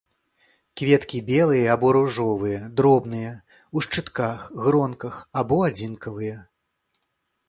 Кветкі белыя або ружовыя, дробныя, у шчытках, гронках або адзінкавыя.